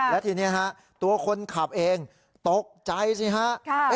และทีนี้ฮะตัวคนขับเองตกใจสิฮะ